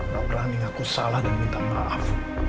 gak berani ngaku salah dan minta maaf